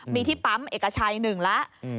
มีที่ปั๊มเอกชัย๑แล้ว